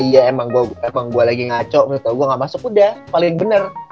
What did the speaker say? iya emang gue lagi ngaco gue gak masuk udah paling bener